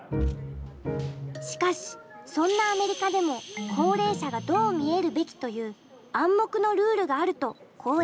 しかしそんなアメリカでも高齢者がどう見えるべきという暗黙のルールがあるとコーエンさんは言います。